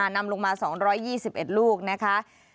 นำลงมา๒๒๑ลูกนะคะ